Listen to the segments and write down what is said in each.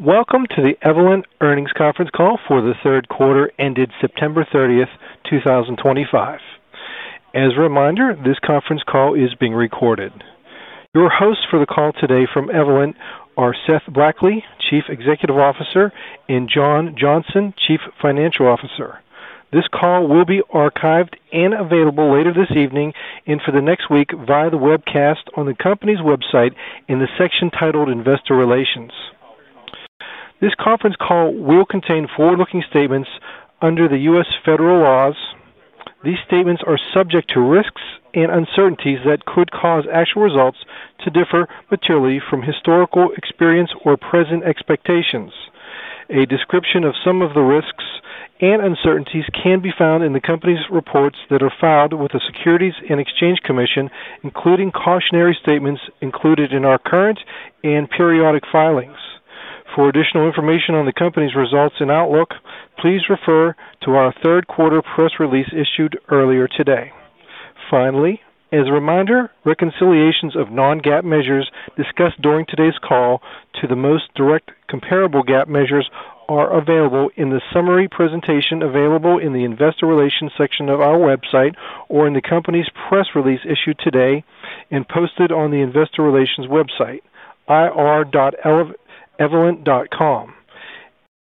Welcome to the Evolent Earnings Conference call for the third quarter ended September 30, 2025. As a reminder, this conference call is being recorded. Your hosts for the call today from Evolent are Seth Blackley, Chief Executive Officer, and John Johnson, Chief Financial Officer. This call will be archived and available later this evening and for the next week via the webcast on the company's website in the section titled Investor Relations. This conference call will contain forward-looking statements under the U.S. federal laws. These statements are subject to risks and uncertainties that could cause actual results to differ materially from historical experience or present expectations. A description of some of the risks and uncertainties can be found in the company's reports that are filed with the Securities and Exchange Commission, including cautionary statements included in our current and periodic filings. For additional information on the company's results and outlook, please refer to our third quarter press release issued earlier today. Finally, as a reminder, reconciliations of non-GAAP measures discussed during today's call to the most direct comparable GAAP measures are available in the summary presentation available in the Investor Relations section of our website or in the company's press release issued today and posted on the Investor Relations website, ir.evolent.com.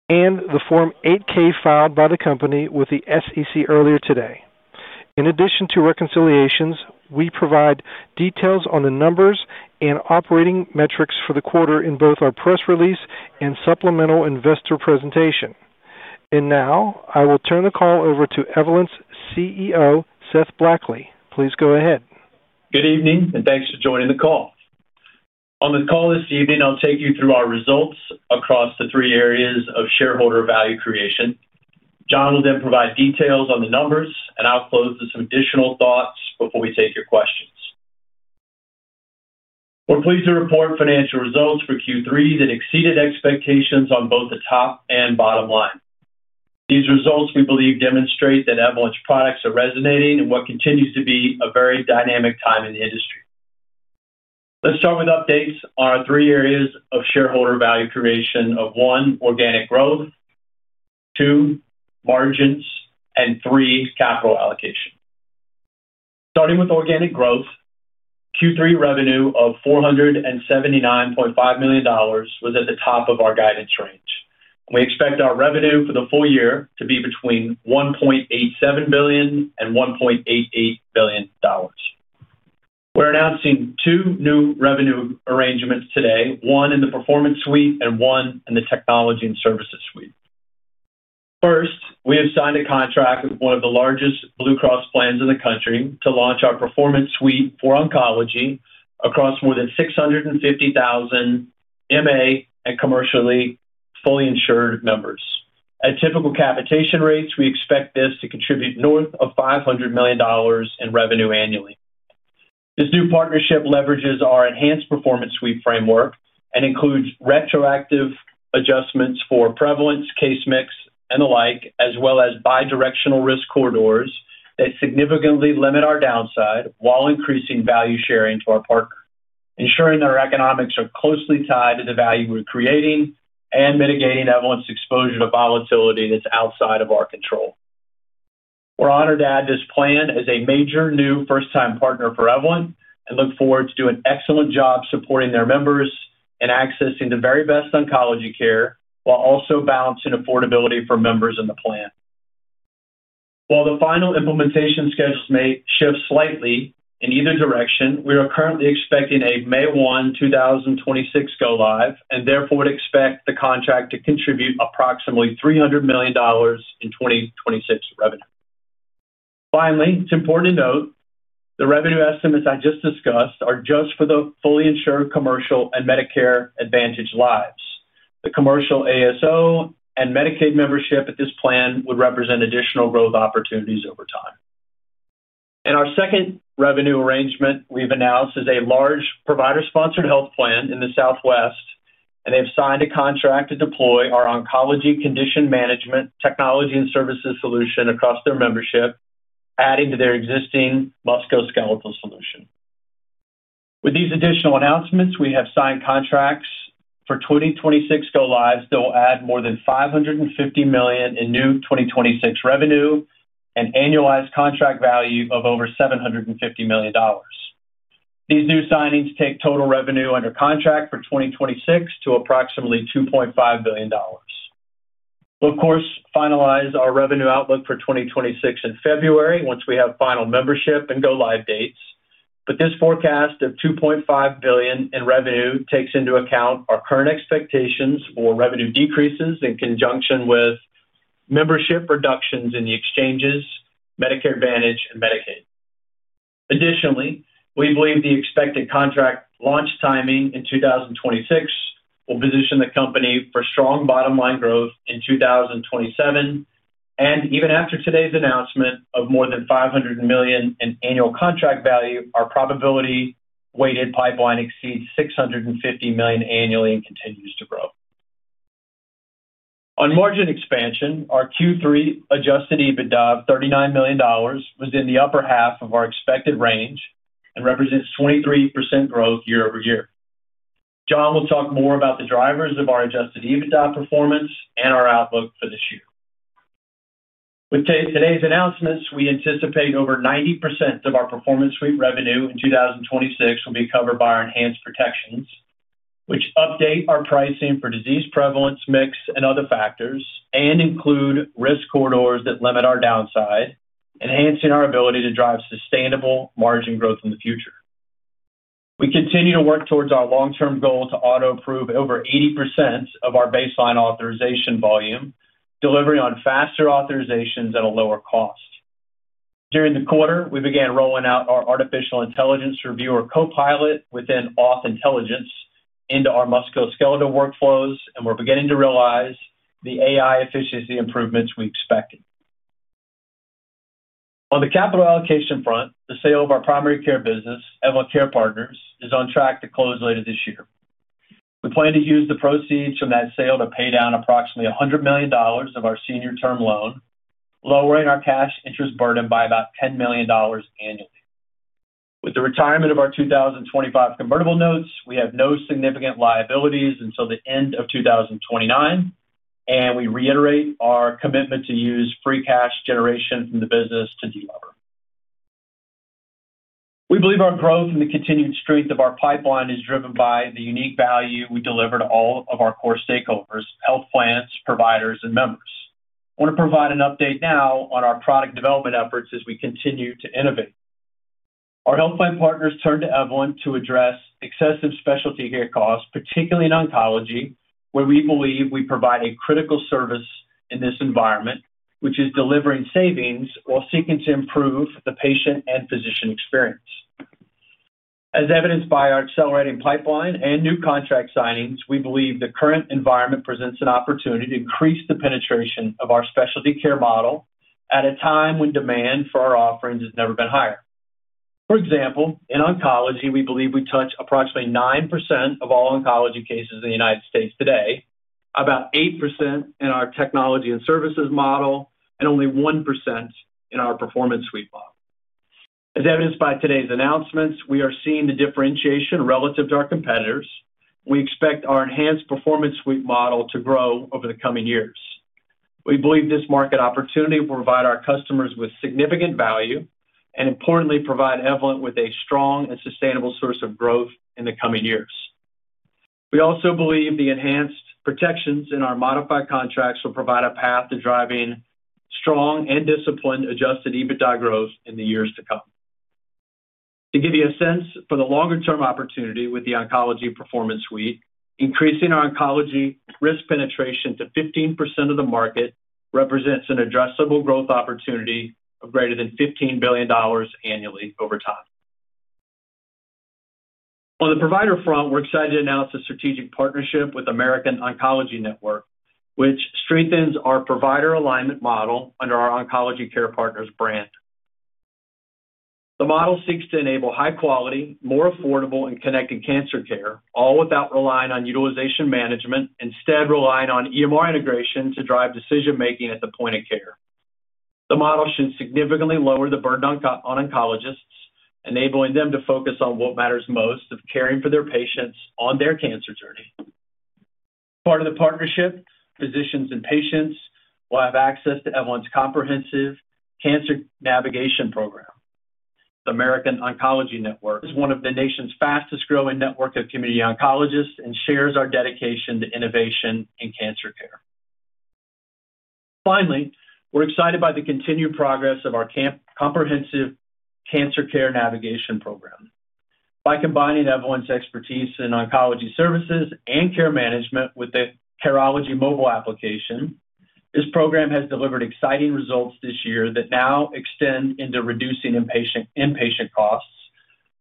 The Form 8K filed by the company with the SEC earlier today is also available. In addition to reconciliations, we provide details on the numbers and operating metrics for the quarter in both our press release and supplemental investor presentation. Now, I will turn the call over to Evolent's CEO, Seth Blackley. Please go ahead. Good evening, and thanks for joining the call. On the call this evening, I'll take you through our results across the three areas of shareholder value creation. John will then provide details on the numbers, and I'll close with some additional thoughts before we take your questions. We're pleased to report financial results for Q3 that exceeded expectations on both the top and bottom line. These results, we believe, demonstrate that Evolent's products are resonating in what continues to be a very dynamic time in the industry. Let's start with updates on our three areas of shareholder value creation of one, organic growth. Two, margins, and three, capital allocation. Starting with organic growth, Q3 revenue of $479.5 million was at the top of our guidance range. We expect our revenue for the full year to be between $1.87 billion and $1.88 billion. We're announcing two new revenue arrangements today, one in the Performance Suite and one in the Technology and Services Suite. First, we have signed a contract with one of the largest Blue Cross plans in the country to launch our Performance Suite for oncology across more than 650,000 MA and commercially fully insured members. At typical capitation rates, we expect this to contribute north of $500 million in revenue annually. This new partnership leverages our Enhanced Performance Suite framework and includes retroactive adjustments for prevalence, case mix, and the like, as well as bidirectional risk corridors that significantly limit our downside while increasing value sharing to our partners, ensuring that our economics are closely tied to the value we're creating and mitigating Evolent's exposure to volatility that's outside of our control. We're honored to add this plan as a major new first-time partner for Evolent and look forward to doing an excellent job supporting their members in accessing the very best oncology care while also balancing affordability for members in the plan. While the final implementation schedules may shift slightly in either direction, we are currently expecting a May 1, 2026, go-live and therefore would expect the contract to contribute approximately $300 million in 2026 revenue. Finally, it's important to note the revenue estimates I just discussed are just for the fully insured commercial and Medicare Advantage Lives. The commercial ASO and Medicaid membership at this plan would represent additional growth opportunities over time. Our second revenue arrangement we've announced is a large provider-sponsored health plan in the Southwest, and they've signed a contract to deploy our oncology condition management technology and services solution across their membership, adding to their existing musculoskeletal solution. With these additional announcements, we have signed contracts for 2026 go-lives that will add more than $550 million in new 2026 revenue and annualized contract value of over $750 million. These new signings take total revenue under contract for 2026 to approximately $2.5 billion. We will, of course, finalize our revenue outlook for 2026 in February once we have final membership and go-live dates. This forecast of $2.5 billion in revenue takes into account our current expectations for revenue decreases in conjunction with membership reductions in the exchanges, Medicare Advantage, and Medicaid. Additionally, we believe the expected contract launch timing in 2026 will position the company for strong bottom line growth in 2027. Even after today's announcement of more than $500 million in annual contract value, our probability-weighted pipeline exceeds $650 million annually and continues to grow. On margin expansion, our Q3 adjusted EBITDA of $39 million was in the upper half of our expected range and represents 23% growth year-over- year. John will talk more about the drivers of our adjusted EBITDA performance and our outlook for this year. With today's announcements, we anticipate over 90% of our Performance Suite revenue in 2026 will be covered by our enhanced protections, which update our pricing for disease prevalence, mix, and other factors, and include risk corridors that limit our downside, enhancing our ability to drive sustainable margin growth in the future. We continue to work towards our long-term goal to auto-approve over 80% of our baseline authorization volume, delivering on faster authorizations at a lower cost. During the quarter, we began rolling out our artificial intelligence reviewer copilot within Auth Intelligence into our musculoskeletal workflows, and we're beginning to realize the AI efficiency improvements we expected. On the capital allocation front, the sale of our primary care business, Evolent Care Partners, is on track to close later this year. We plan to use the proceeds from that sale to pay down approximately $100 million of our senior-term loan, lowering our cash interest burden by about $10 million annually. With the retirement of our 2025 convertible notes, we have no significant liabilities until the end of 2029. We reiterate our commitment to use free cash generation from the business to deal with. We believe our growth and the continued strength of our pipeline is driven by the unique value we deliver to all of our core stakeholders: health plans, providers, and members. I want to provide an update now on our product development efforts as we continue to innovate. Our health plan partners turned to Evolent to address excessive specialty care costs, particularly in oncology, where we believe we provide a critical service in this environment, which is delivering savings while seeking to improve the patient and physician experience. As evidenced by our accelerating pipeline and new contract signings, we believe the current environment presents an opportunity to increase the penetration of our specialty care model at a time when demand for our offerings has never been higher. For example, in oncology, we believe we touch approximately 9% of all oncology cases in the United States today, about 8% in our Technology and Services Suite model, and only 1% in our Performance Suite model. As evidenced by today's announcements, we are seeing the differentiation relative to our competitors. We expect our Enhanced Performance Suite model to grow over the coming years. We believe this market opportunity will provide our customers with significant value and, importantly, provide Evolent with a strong and sustainable source of growth in the coming years. We also believe the enhanced protections in our modified contracts will provide a path to driving strong and disciplined adjusted EBITDA growth in the years to come. To give you a sense for the longer-term opportunity with the oncology Performance Suite, increasing our oncology risk penetration to 15% of the market represents an addressable growth opportunity of greater than $15 billion annually over time. On the provider front, we're excited to announce a strategic partnership with American Oncology Network, which strengthens our provider alignment model under our Oncology Care Partners brand. The model seeks to enable high-quality, more affordable, and connected cancer care, all without relying on utilization management, instead relying on EMR integration to drive decision-making at the point of care. The model should significantly lower the burden on oncologists, enabling them to focus on what matters most: caring for their patients on their cancer journey. As part of the partnership, physicians and patients will have access to Evolent's Comprehensive Cancer Care Navigation Program. The American Oncology Network is one of the nation's fastest-growing networks of community oncologists and shares our dedication to innovation in cancer care. Finally, we're excited by the continued progress of our Comprehensive Cancer Care Navigation Program. By combining Evolent's expertise in oncology services and care management with the Carology mobile application, this program has delivered exciting results this year that now extend into reducing inpatient costs,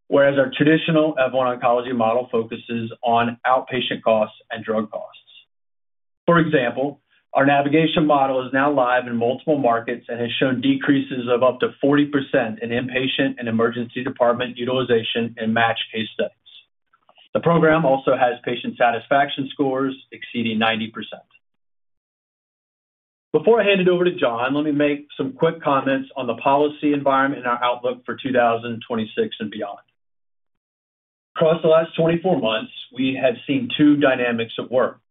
whereas our traditional Evolent oncology model focuses on outpatient costs and drug costs. For example, our navigation model is now live in multiple markets and has shown decreases of up to 40% in inpatient and emergency department utilization in matched case studies. The program also has patient satisfaction scores exceeding 90%. Before I hand it over to John, let me make some quick comments on the policy environment and our outlook for 2026 and beyond. Across the last 24 months, we have seen two dynamics at work.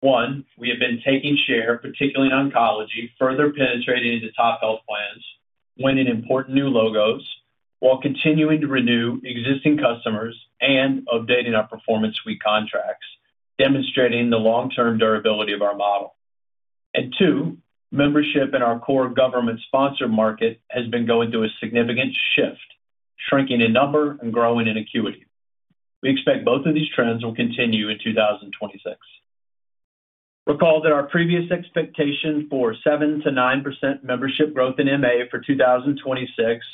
One, we have been taking share, particularly in oncology, further penetrating into top health plans, winning important new logos, while continuing to renew existing customers and updating our Performance Suite contracts, demonstrating the long-term durability of our model. Two, membership in our core government-sponsored market has been going through a significant shift, shrinking in number and growing in acuity. We expect both of these trends will continue in 2026. Recall that our previous expectation for 7%-9% membership growth in MA for 2026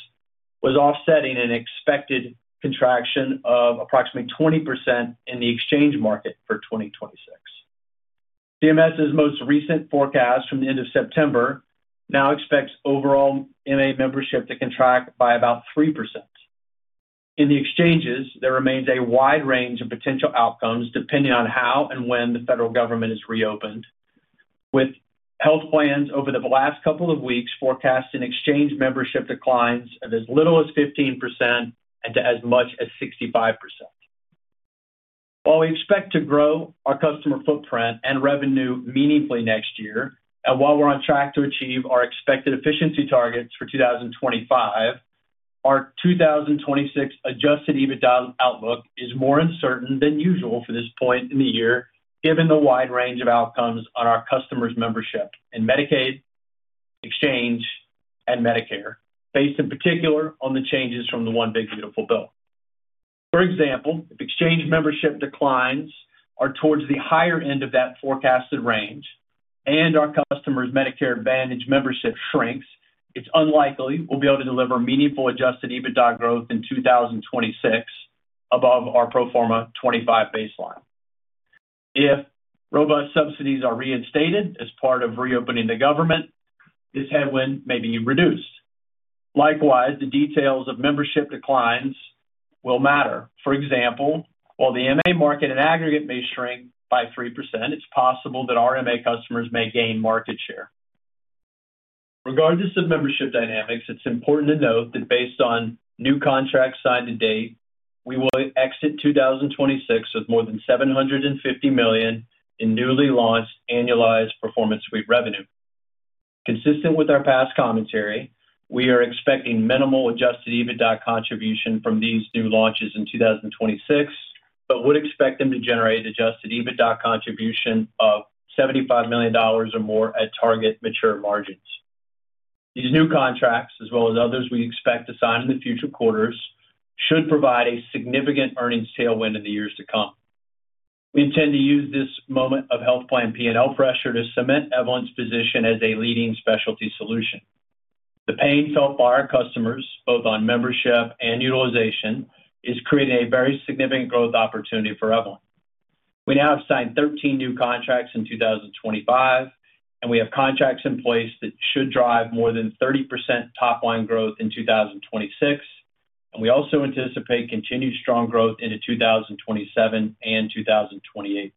was offsetting an expected contraction of approximately 20% in the exchange market for 2026. CMS's most recent forecast from the end of September now expects overall MA membership to contract by about 3%. In the exchanges, there remains a wide range of potential outcomes depending on how and when the federal government is reopened, with health plans over the last couple of weeks forecasting exchange membership declines of as little as 15% and to as much as 65%. While we expect to grow our customer footprint and revenue meaningfully next year, and while we're on track to achieve our expected efficiency targets for 2025, our 2026 adjusted EBITDA outlook is more uncertain than usual for this point in the year, given the wide range of outcomes on our customers' membership in Medicaid, exchange, and Medicare, based in particular on the changes from the One Big Beautiful Bill. For example, if exchange membership declines or towards the higher end of that forecasted range and our customers' Medicare Advantage membership shrinks, it's unlikely we'll be able to deliver meaningful adjusted EBITDA growth in 2026 above our pro forma 25 baseline. If robust subsidies are reinstated as part of reopening the government, this headwind may be reduced. Likewise, the details of membership declines will matter. For example, while the MA market in aggregate may shrink by 3%, it's possible that our MA customers may gain market share. Regardless of membership dynamics, it's important to note that based on new contracts signed to date, we will exit 2026 with more than $750 million in newly launched annualized Performance Suite revenue. Consistent with our past commentary, we are expecting minimal adjusted EBITDA contribution from these new launches in 2026, but would expect them to generate adjusted EBITDA contribution of $75 million or more at target mature margins. These new contracts, as well as others we expect to sign in the future quarters, should provide a significant earnings tailwind in the years to come. We intend to use this moment of health plan P&L pressure to cement Evolent's position as a leading specialty solution. The pain felt by our customers, both on membership and utilization, is creating a very significant growth opportunity for Evolent. We now have signed 13 new contracts in 2025, and we have contracts in place that should drive more than 30% top-line growth in 2026. We also anticipate continued strong growth into 2027 and 2028.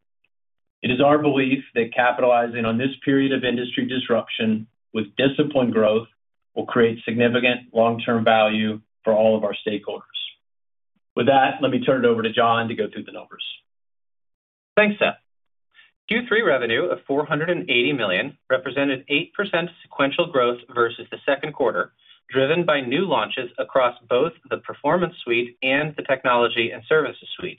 It is our belief that capitalizing on this period of industry disruption with disciplined growth will create significant long-term value for all of our stakeholders. With that, let me turn it over to John to go through the numbers. Thanks, Seth. Q3 revenue of $480 million represented 8% sequential growth versus the second quarter, driven by new launches across both the Performance Suite and the Technology and Services Suite.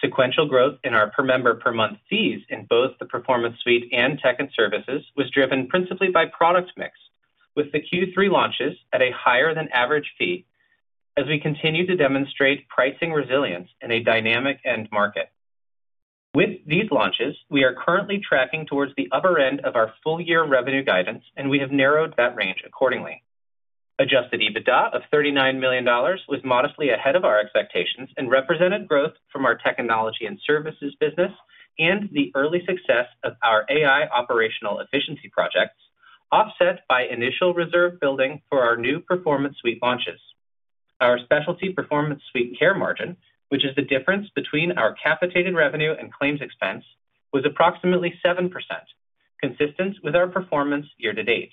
Sequential growth in our per member per month fees in both the Performance Suite and Technology and Services was driven principally by product mix, with the Q3 launches at a higher-than-average fee as we continue to demonstrate pricing resilience in a dynamic end market. With these launches, we are currently tracking towards the upper end of our full-year revenue guidance, and we have narrowed that range accordingly. Adjusted EBITDA of $39 million was modestly ahead of our expectations and represented growth from our technology and services business and the early success of our AI operational efficiency projects, offset by initial reserve building for our new Performance Suite launches. Our specialty Performance Suite care margin, which is the difference between our capitated revenue and claims expense, was approximately 7%, consistent with our performance year to date.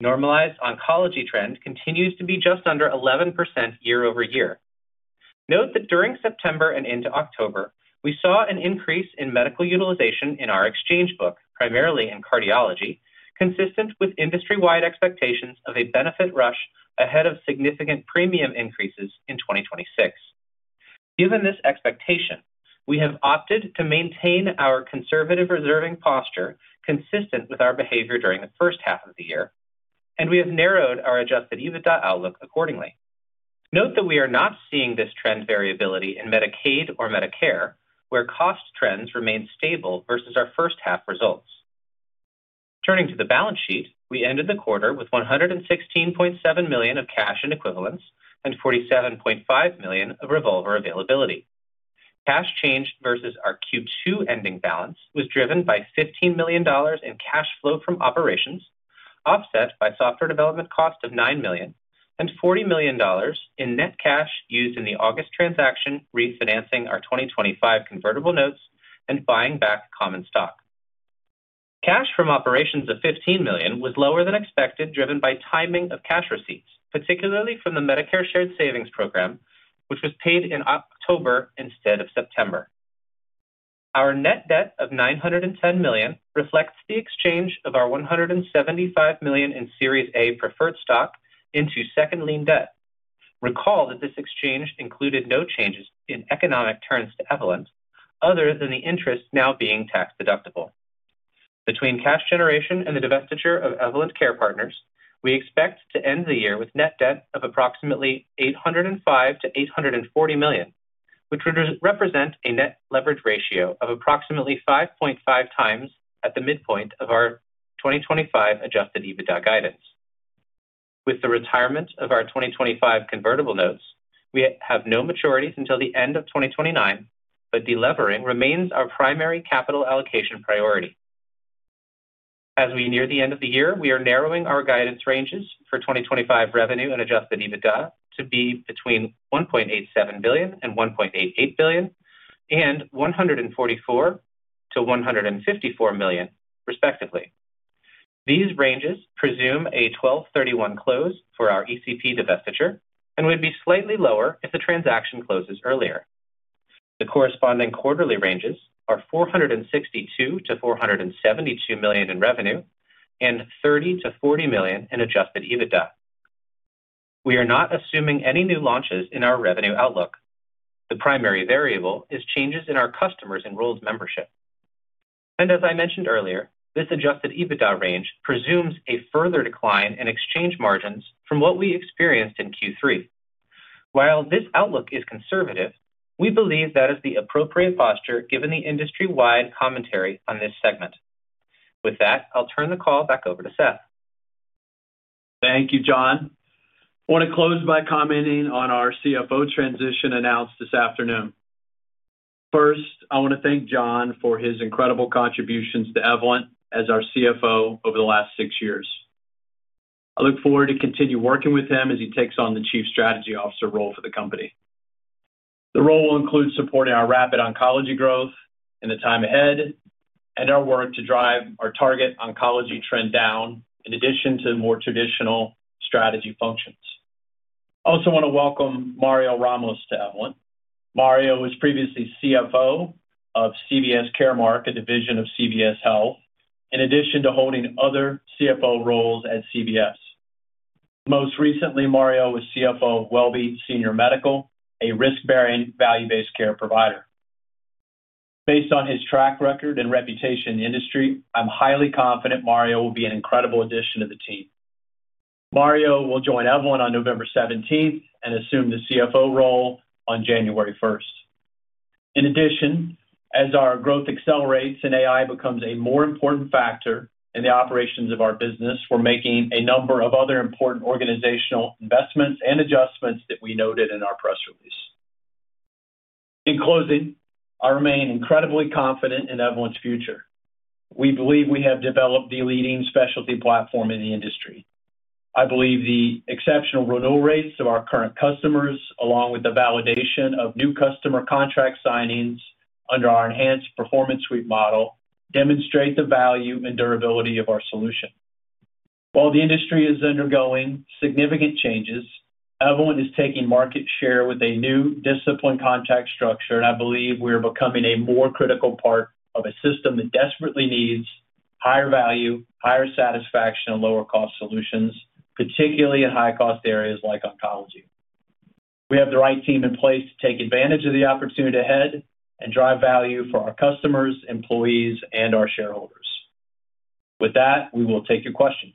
Normalized oncology trend continues to be just under 11% year-over-year. Note that during September and into October, we saw an increase in medical utilization in our exchange book, primarily in cardiology, consistent with industry-wide expectations of a benefit rush ahead of significant premium increases in 2026. Given this expectation, we have opted to maintain our conservative reserving posture consistent with our behavior during the first half of the year, and we have narrowed our adjusted EBITDA outlook accordingly. Note that we are not seeing this trend variability in Medicaid or Medicare, where cost trends remain stable versus our first-half results. Turning to the balance sheet, we ended the quarter with $116.7 million of cash in equivalents and $47.5 million of revolver availability. Cash change versus our Q2 ending balance was driven by $15 million in cash flow from operations, offset by software development cost of $9 million, and $40 million in net cash used in the August transaction, refinancing our 2025 convertible notes and buying back common stock. Cash from operations of $15 million was lower than expected, driven by timing of cash receipts, particularly from the Medicare Shared Savings Program, which was paid in October instead of September. Our net debt of $910 million reflects the exchange of our $175 million in Series A preferred stock into second lien debt. Recall that this exchange included no changes in economic terms to Evolent other than the interest now being tax-deductible. Between cash generation and the divestiture of Evolent Care Partners, we expect to end the year with net debt of approximately $805 million-$840 million, which would represent a net leverage ratio of approximately 5.5 times at the midpoint of our 2025 adjusted EBITDA guidance. With the retirement of our 2025 convertible notes, we have no maturities until the end of 2029, but delevering remains our primary capital allocation priority. As we near the end of the year, we are narrowing our guidance ranges for 2025 revenue and adjusted EBITDA to be between $1.87 billion and $1.88 billion, and $144 million-$154 million, respectively. These ranges presume a December 31 close for our ECP divestiture and would be slightly lower if the transaction closes earlier. The corresponding quarterly ranges are $462 million -$472 million in revenue and $30 million -$40 million in adjusted EBITDA. We are not assuming any new launches in our revenue outlook. The primary variable is changes in our customers' enrolled membership. As I mentioned earlier, this adjusted EBITDA range presumes a further decline in exchange margins from what we experienced in Q3. While this outlook is conservative, we believe that is the appropriate posture given the industry-wide commentary on this segment. With that, I'll turn the call back over to Seth. Thank you, John. I want to close by commenting on our CFO transition announced this afternoon. First, I want to thank John for his incredible contributions to Evolent as our CFO over the last six years. I look forward to continuing working with him as he takes on the Chief Strategy Officer role for the company. The role will include supporting our rapid oncology growth in the time ahead and our work to drive our target oncology trend down, in addition to more traditional strategy functions. I also want to welcome Mario Ramos to Evolent. Mario was previously CFO of CVS Caremark, a division of CVS Health, in addition to holding other CFO roles at CVS. Most recently, Mario was CFO of WellBe Senior Medical, a risk-bearing, value-based care provider. Based on his track record and reputation in the industry, I'm highly confident Mario will be an incredible addition to the team. Mario will join Evolent on November 17th and assume the CFO role on January 1st. In addition, as our growth accelerates and AI becomes a more important factor in the operations of our business, we're making a number of other important organizational investments and adjustments that we noted in our press release. In closing, I remain incredibly confident in Evolent's future. We believe we have developed the leading specialty platform in the industry. I believe the exceptional renewal rates of our current customers, along with the validation of new customer contract signings under our enhanced performance suite model, demonstrate the value and durability of our solution. While the industry is undergoing significant changes, Evolent is taking market share with a new disciplined contract structure, and I believe we are becoming a more critical part of a system that desperately needs higher value, higher satisfaction, and lower-cost solutions, particularly in high-cost areas like oncology. We have the right team in place to take advantage of the opportunity ahead and drive value for our customers, employees, and our shareholders. With that, we will take your questions.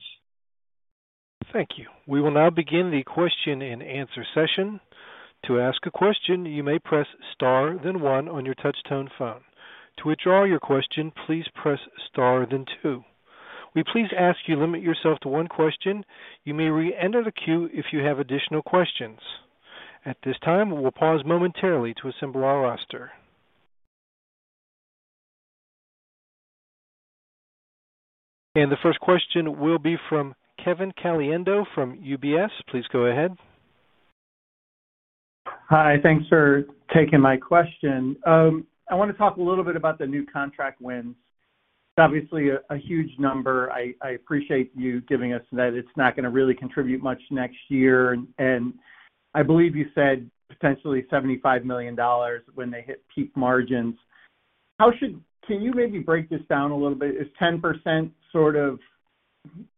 Thank you. We will now begin the question-and-answer session. To ask a question, you may press star then one on your touch-tone phone. To withdraw your question, please press star then two. We please ask you to limit yourself to one question. You may re-enter the queue if you have additional questions. At this time, we will pause momentarily to assemble our roster. The first question will be from Kevin Caliendo from UBS. Please go ahead. Hi. Thanks for taking my question. I want to talk a little bit about the new contract wins. It is obviously a huge number. I appreciate you giving us that. It is not going to really contribute much next year. I believe you said potentially $75 million when they hit peak margins. Can you maybe break this down a little bit? Is 10% sort of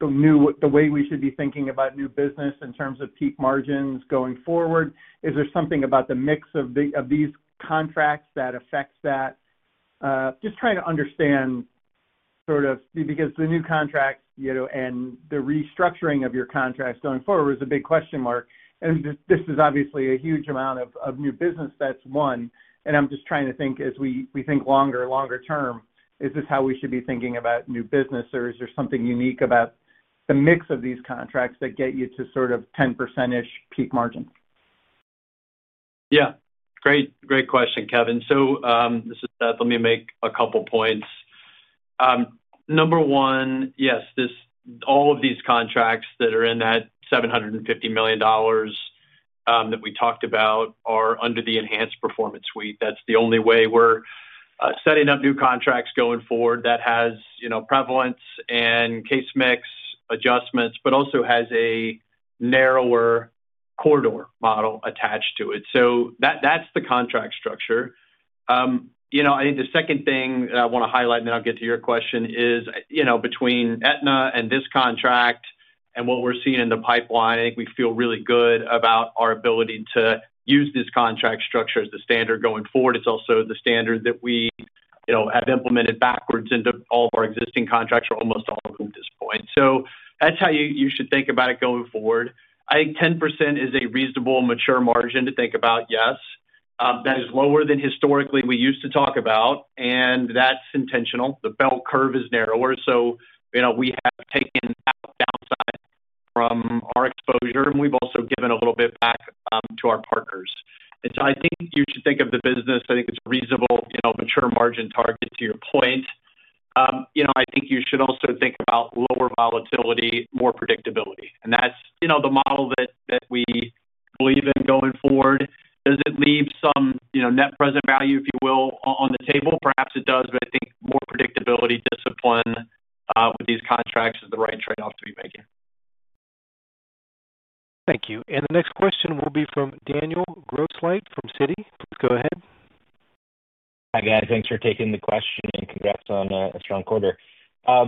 the way we should be thinking about new business in terms of peak margins going forward? Is there something about the mix of these contracts that affects that? Just trying to understand. Sort of because the new contracts and the restructuring of your contracts going forward was a big question mark. This is obviously a huge amount of new business that's won. I'm just trying to think as we think longer, longer term, is this how we should be thinking about new business, or is there something unique about the mix of these contracts that get you to sort of 10%-ish peak margin? Yeah. Great question, Kevin. This is Seth. Let me make a couple of points. Number one, yes, all of these contracts that are in that $750 million that we talked about are under the enhanced performance suite. That's the only way we're setting up new contracts going forward that has prevalence and case mix adjustments, but also has a narrower corridor model attached to it. That's the contract structure. I think the second thing that I want to highlight, and then I'll get to your question, is between Aetna and this contract and what we're seeing in the pipeline, I think we feel really good about our ability to use this contract structure as the standard going forward. It's also the standard that we have implemented backwards into all of our existing contracts, or almost all of them at this point. That's how you should think about it going forward. I think 10% is a reasonable mature margin to think about, yes. That is lower than historically we used to talk about, and that's intentional. The bell curve is narrower, so we have taken out downside from our exposure, and we have also given a little bit back to our partners. I think you should think of the business. I think it is a reasonable mature margin target to your point. I think you should also think about lower volatility, more predictability. That is the model that we believe in going forward. Does it leave some net present value, if you will, on the table? Perhaps it does, but I think more predictability, discipline with these contracts is the right trade-off to be making. Thank you. The next question will be from Daniel Grosslight from Citi. Please go ahead. Hi, guys. Thanks for taking the question and congrats on a strong quarter. I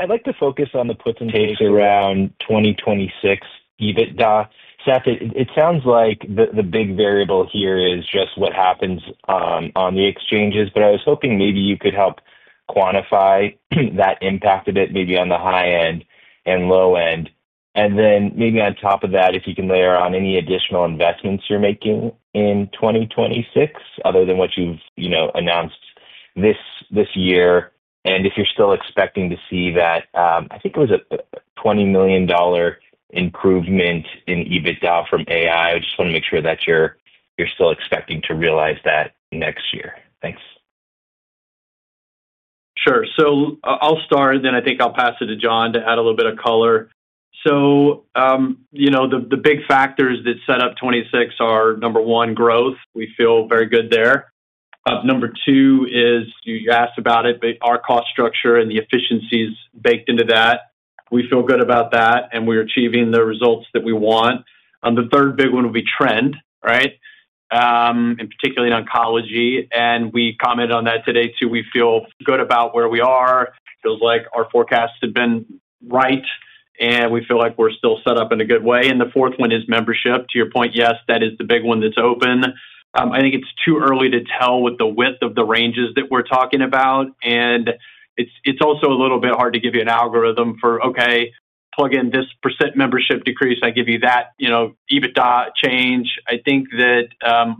would like to focus on the puts and takes around 2026 EBITDA. Seth, it sounds like the big variable here is just what happens on the exchanges, but I was hoping maybe you could help quantify that impact a bit, maybe on the high end and low end. Then maybe on top of that, if you can layer on any additional investments you're making in 2026, other than what you've announced this year, and if you're still expecting to see that, I think it was a $20 million improvement in EBITDA from AI. I just want to make sure that you're still expecting to realize that next year. Thanks. Sure. I'll start, and then I think I'll pass it to John to add a little bit of color. The big factors that set up 2026 are, number one, growth. We feel very good there. Number two is, you asked about it, but our cost structure and the efficiencies baked into that, we feel good about that, and we're achieving the results that we want. The third big one would be trend, right. Particularly in oncology. We commented on that today too. We feel good about where we are. It feels like our forecasts have been right, and we feel like we're still set up in a good way. The fourth one is membership. To your point, yes, that is the big one that's open. I think it's too early to tell with the width of the ranges that we're talking about. It's also a little bit hard to give you an algorithm for, okay, plug in this % membership decrease. I give you that EBITDA change. I think that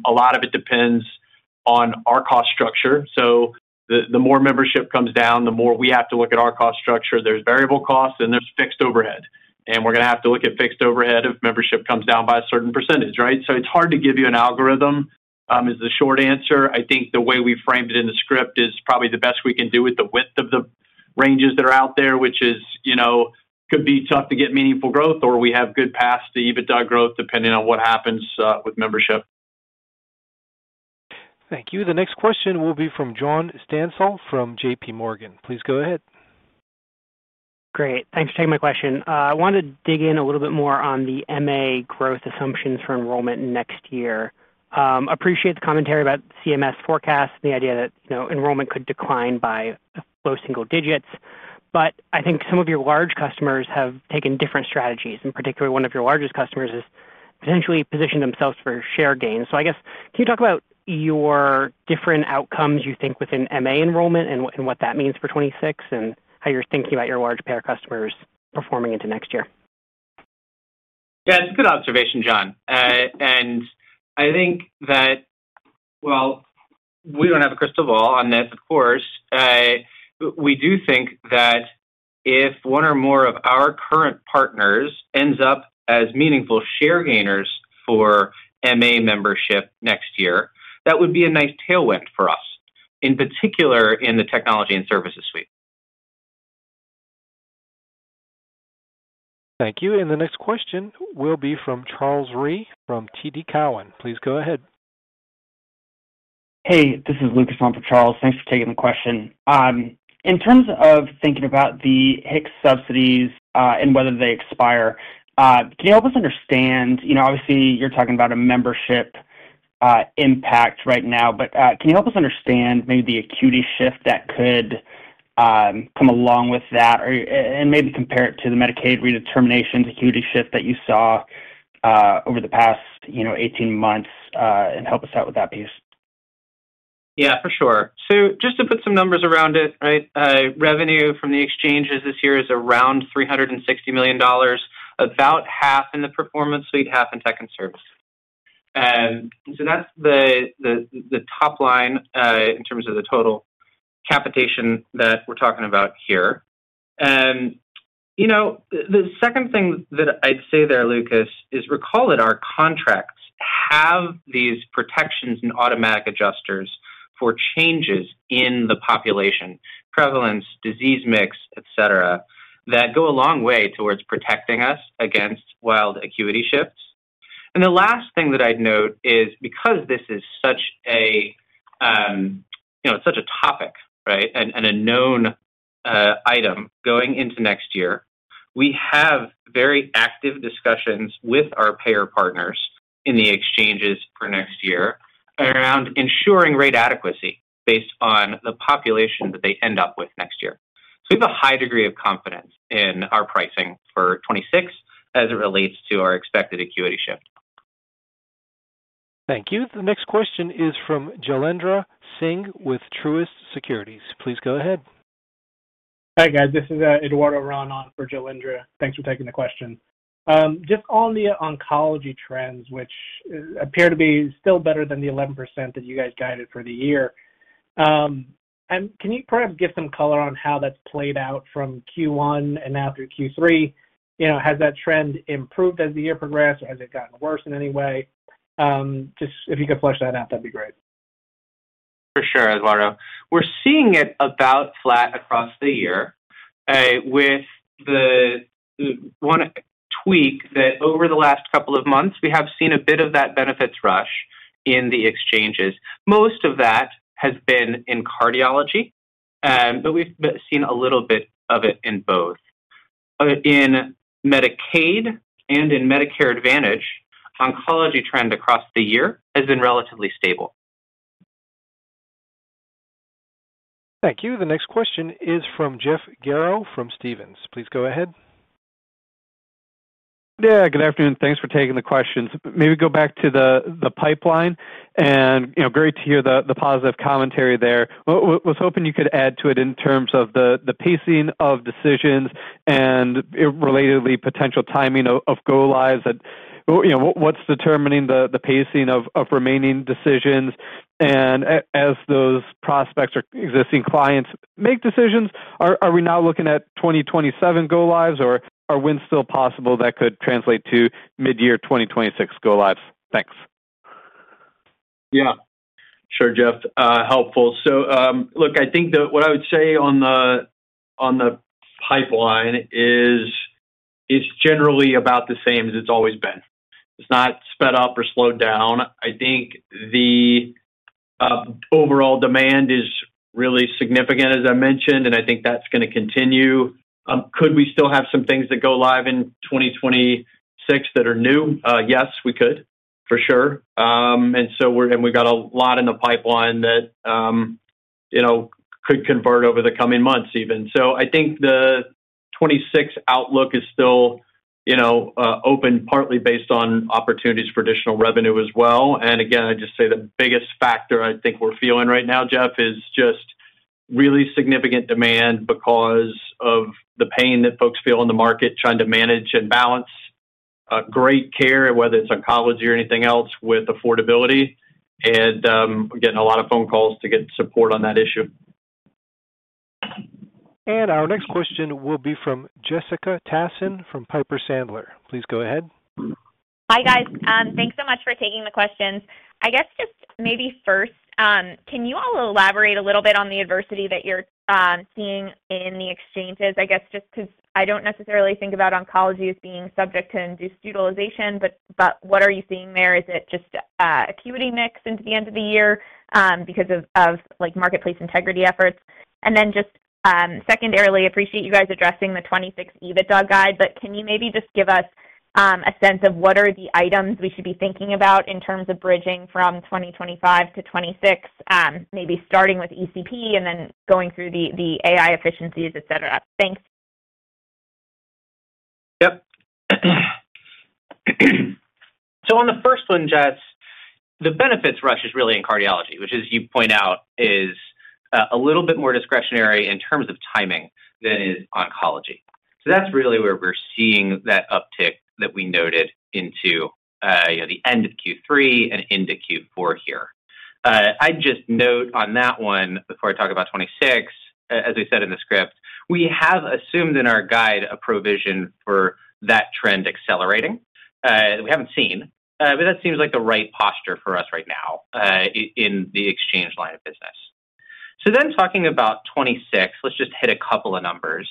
a lot of it depends on our cost structure. The more membership comes down, the more we have to look at our cost structure. There are variable costs, and there is fixed overhead. We are going to have to look at fixed overhead if membership comes down by a certain percentage, right? It is hard to give you an algorithm, is the short answer. I think the way we framed it in the script is probably the best we can do with the width of the ranges that are out there, which is it could be tough to get meaningful growth, or we have good paths to EBITDA growth depending on what happens with membership. Thank you. The next question will be from John Stansel from JP Morgan. Please go ahead. Great. Thanks for taking my question. I want to dig in a little bit more on the MA growth assumptions for enrollment next year. Appreciate the commentary about CMS forecasts and the idea that enrollment could decline by a few single digits. I think some of your large customers have taken different strategies, and particularly one of your largest customers has potentially positioned themselves for share gains. I guess, can you talk about your different outcomes you think within MA enrollment and what that means for 2026 and how you're thinking about your large payer customers performing into next year? Yeah. It's a good observation, John. I think that, while we don't have a crystal ball on that, of course, we do think that if one or more of our current partners ends up as meaningful share gainers for MA membership next year, that would be a nice tailwind for us, in particular in the Technology and Services Suite. Thank you. The next question will be from Charles Rhyee from TD Cowen. Please go ahead. Hey, this is Lucas from Charles. Thanks for taking the question. In terms of thinking about the HIX subsidies and whether they expire, can you help us understand? Obviously, you're talking about a membership impact right now, but can you help us understand maybe the acuity shift that could come along with that and maybe compare it to the Medicaid redeterminations acuity shift that you saw over the past 18 months and help us out with that piece? Yeah, for sure. Just to put some numbers around it, right? Revenue from the exchanges this year is around $360 million, about half in the Performance Suite, half in tech and service. That is the top line in terms of the total capitation that we're talking about here. The second thing that I'd say there, Lucas, is recall that our contracts have these protections and automatic adjusters for changes in the population, prevalence, disease mix, etc., that go a long way towards protecting us against wild acuity shifts. The last thing that I'd note is because this is such a topic, right, and a known item going into next year, we have very active discussions with our payer partners in the exchanges for next year around ensuring rate adequacy based on the population that they end up with next year. We have a high degree of confidence in our pricing for 2026 as it relates to our expected acuity shift. Thank you. The next question is from Jalindra Singh with Truist Securities. Please go ahead. Hi, guys. This is Eduardo Ranon for Jalindra. Thanks for taking the question. Just on the oncology trends, which appear to be still better than the 11% that you guys guided for the year. Can you perhaps give some color on how that's played out from Q1 and now through Q3? Has that trend improved as the year progressed, or has it gotten worse in any way? Just if you could flesh that out, that'd be great. For sure, Eduardo. We're seeing it about flat across the year. With the one tweak that over the last couple of months, we have seen a bit of that benefits rush in the exchanges. Most of that has been in cardiology, but we've seen a little bit of it in both. In Medicaid and in Medicare Advantage, the oncology trend across the year has been relatively stable. Thank you. The next question is from Jeff Garro from Stevens. Please go ahead. Yeah. Good afternoon. Thanks for taking the questions. Maybe go back to the pipeline. Great to hear the positive commentary there. I was hoping you could add to it in terms of the pacing of decisions and relatedly potential timing of go lives. What's determining the pacing of remaining decisions? As those prospects or existing clients make decisions, are we now looking at 2027 go lives, or are wins still possible that could translate to mid-year 2026 go lives? Thanks. Yeah. Sure, Jeff. Helpful. I think what I would say on the pipeline is generally about the same as it's always been. It's not sped up or slowed down. I think the overall demand is really significant, as I mentioned, and I think that's going to continue. Could we still have some things that go live in 2026 that are new? Yes, we could, for sure. We have got a lot in the pipeline that could convert over the coming months even. I think the 2026 outlook is still open partly based on opportunities for additional revenue as well. I just say the biggest factor I think we are feeling right now, Jeff, is just really significant demand because of the pain that folks feel in the market trying to manage and balance great care, whether it is oncology or anything else, with affordability. Getting a lot of phone calls to get support on that issue. Our next question will be from Jessica Tassan from Piper Sandler. Please go ahead. Hi, guys. Thanks so much for taking the questions. I guess just maybe first, can you all elaborate a little bit on the adversity that you're seeing in the exchanges? I guess, just because I don't necessarily think about oncology as being subject to induced utilization, but what are you seeing there? Is it just acuity mix into the end of the year because of marketplace integrity efforts? And then just secondarily, I appreciate you guys addressing the 2026 EBITDA guide, but can you maybe just give us a sense of what are the items we should be thinking about in terms of bridging from 2025 to 2026, maybe starting with ECP and then going through the AI efficiencies, etc.? Thanks. Yep. On the first one, Jess, the benefits rush is really in cardiology, which, as you point out, is a little bit more discretionary in terms of timing than is oncology. That's really where we're seeing that uptick that we noted into the end of Q3 and into Q4 here. I'd just note on that one before I talk about 2026, as we said in the script, we have assumed in our guide a provision for that trend accelerating. We haven't seen, but that seems like the right posture for us right now in the exchange line of business. Then talking about 2026, let's just hit a couple of numbers.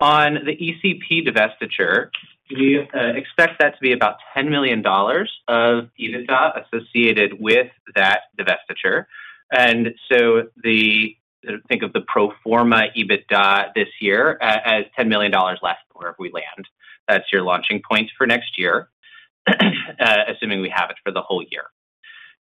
On the ECP divestiture, we expect that to be about $10 million of EBITDA associated with that divestiture. Think of the pro forma EBITDA this year as $10 million left before we land. That's your launching point for next year, assuming we have it for the whole year.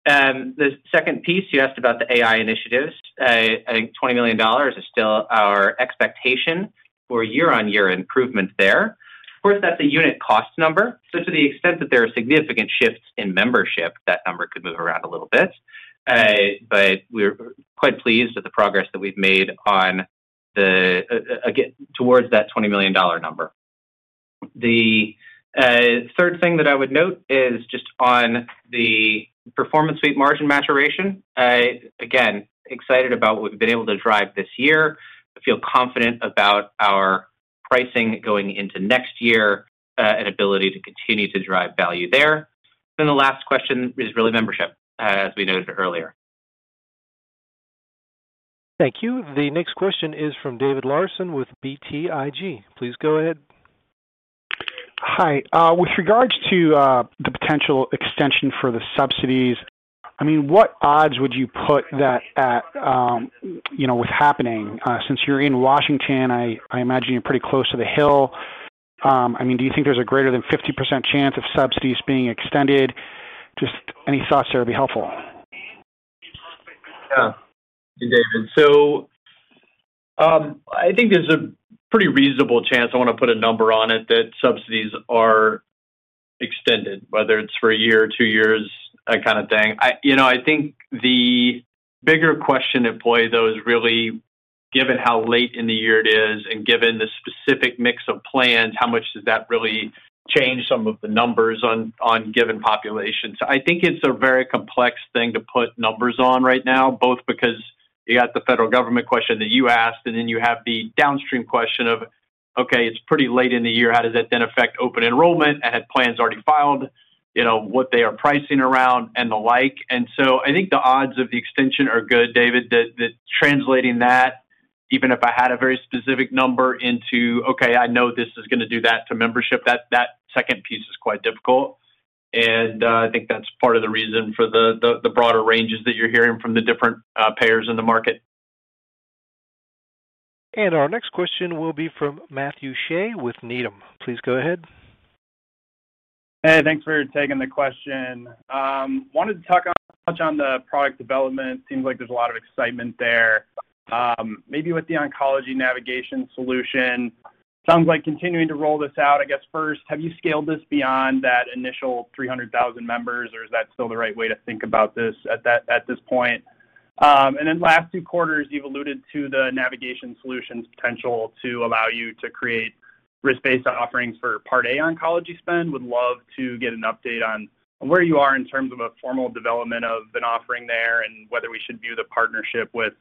The second piece you asked about the AI initiatives, I think $20 million is still our expectation for year-on-year improvement there. Of course, that's a unit cost number. To the extent that there are significant shifts in membership, that number could move around a little bit. We're quite pleased with the progress that we've made towards that $20 million number. The third thing that I would note is just on the Performance Suite margin maturation. Again, excited about what we've been able to drive this year. I feel confident about our pricing going into next year and ability to continue to drive value there. The last question is really membership, as we noted earlier. Thank you. The next question is from David Larsen with BTIG. Please go ahead. Hi. With regards to the potential extension for the subsidies, I mean, what odds would you put that at. With happening? Since you're in Washington, I imagine you're pretty close to the hill. I mean, do you think there's a greater than 50% chance of subsidies being extended? Just any thoughts there would be helpful. Yeah. Hey, David. So. I think there's a pretty reasonable chance—I want to put a number on it—that subsidies are. Extended, whether it's for a year, two years, that kind of thing. I think the bigger question at play, though, is really, given how late in the year it is and given the specific mix of plans, how much does that really change some of the numbers on given populations? I think it's a very complex thing to put numbers on right now, both because you got the federal government question that you asked, and then you have the downstream question of, okay, it's pretty late in the year. How does that then affect open enrollment? I had plans already filed, what they are pricing around, and the like. I think the odds of the extension are good, David, that translating that, even if I had a very specific number into, okay, I know this is going to do that to membership, that second piece is quite difficult. I think that's part of the reason for the broader ranges that you're hearing from the different payers in the market. Our next question will be from Matthew Shea with Needham. Please go ahead. Hey, thanks for taking the question. Wanted to touch on the product development. Seems like there's a lot of excitement there. Maybe with the oncology navigation solution, sounds like continuing to roll this out. I guess first, have you scaled this beyond that initial 300,000 members, or is that still the right way to think about this at this point? Then last two quarters, you've alluded to the navigation solution's potential to allow you to create risk-based offerings for Part A oncology spend. Would love to get an update on where you are in terms of a formal development of an offering there and whether we should view the partnership with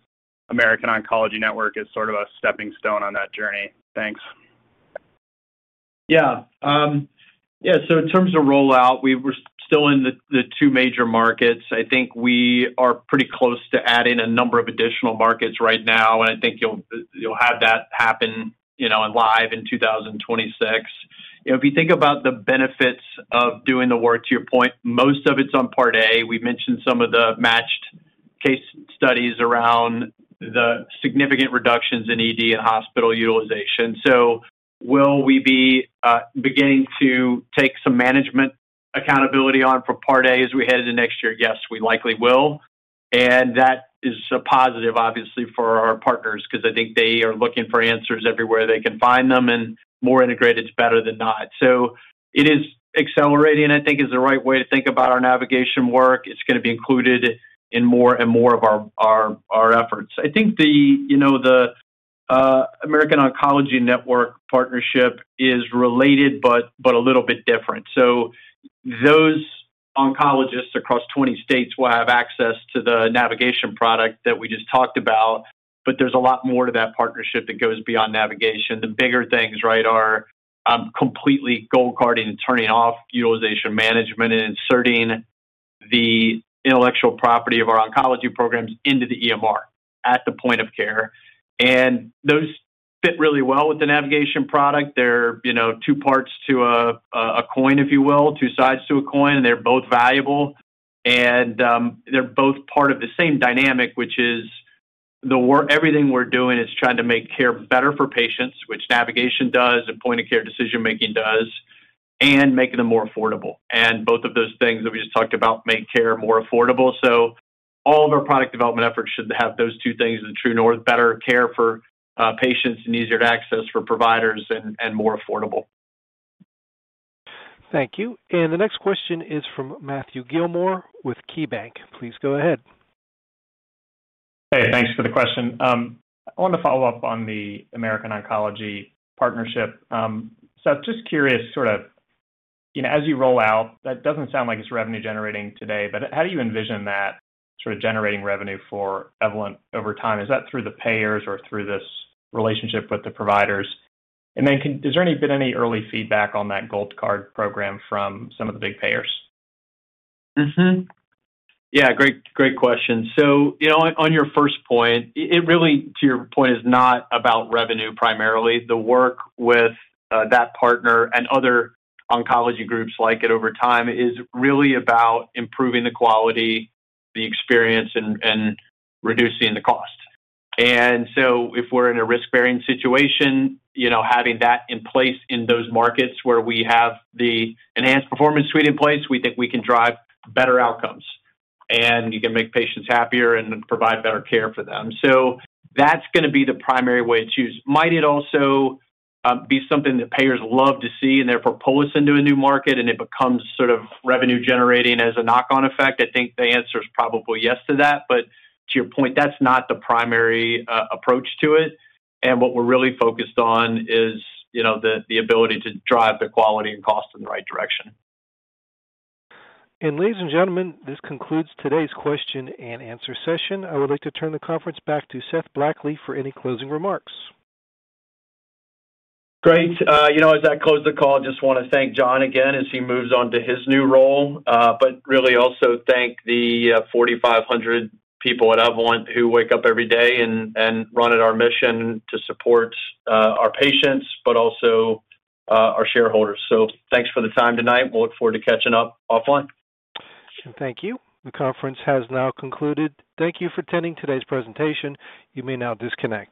American Oncology Network as sort of a stepping stone on that journey. Thanks. Yeah. So in terms of rollout, we were still in the two major markets. I think we are pretty close to adding a number of additional markets right now, and I think you'll have that happen live in 2026. If you think about the benefits of doing the work, to your point, most of it's on Part A. We mentioned some of the matched case studies around. The significant reductions in ED and hospital utilization. Will we be beginning to take some management accountability on for Part A as we head into next year? Yes, we likely will. That is a positive, obviously, for our partners because I think they are looking for answers everywhere they can find them, and more integrated is better than not. It is accelerating, I think, is the right way to think about our navigation work. It's going to be included in more and more of our efforts. I think the American Oncology Network partnership is related but a little bit different. Those oncologists across 20 states will have access to the navigation product that we just talked about, but there's a lot more to that partnership that goes beyond navigation. The bigger things, right, are completely gold-guarding and turning off utilization management and inserting the intellectual property of our oncology programs into the EMR at the point of care. Those fit really well with the navigation product. They're two parts to a coin, if you will, two sides to a coin, and they're both valuable. They're both part of the same dynamic, which is. Everything we're doing is trying to make care better for patients, which navigation does and point-of-care decision-making does, and making them more affordable. Both of those things that we just talked about make care more affordable. All of our product development efforts should have those two things: the true north, better care for patients and easier to access for providers, and more affordable. Thank you. The next question is from Matthew Gillmor with KeyBank. Please go ahead. Hey, thanks for the question. I want to follow up on the American Oncology partnership. So I'm just curious, sort of. As you roll out, that doesn't sound like it's revenue-generating today, but how do you envision that sort of generating revenue for Evolent over time? Is that through the payers or through this relationship with the providers? And then has there been any early feedback on that gold card program from some of the big payers? Yeah. Great question. On your first point, it really, to your point, is not about revenue primarily. The work with that partner and other oncology groups like it over time is really about improving the quality, the experience, and reducing the cost. If we are in a risk-bearing situation, having that in place in those markets where we have the enhanced performance suite in place, we think we can drive better outcomes. You can make patients happier and provide better care for them. That is going to be the primary way to choose. Might it also be something that payers love to see and therefore pull us into a new market and it becomes sort of revenue-generating as a knock-on effect? I think the answer is probably yes to that. To your point, that is not the primary approach to it. What we are really focused on is the ability to drive the quality and cost in the right direction. Ladies and gentlemen, this concludes today's question and answer session. I would like to turn the conference back to Seth Blackley for any closing remarks. Great. As I close the call, I just want to thank John again as he moves on to his new role, but really also thank the 4,500 people at Evolent who wake up every day and run at our mission to support our patients, but also our shareholders. Thanks for the time tonight. We'll look forward to catching up offline. Thank you. The conference has now concluded. Thank you for attending today's presentation. You may now disconnect.